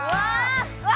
うわ！